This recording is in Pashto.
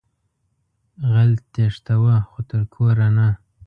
غل تېښتوه خو تر کوره نه